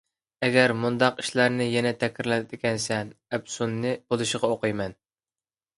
ئەگەر مۇنداق ئىشلارنى يەنە تەكرارلايدىكەنسەن، ئەپسۇننى بولۇشىغا ئوقۇيمەن!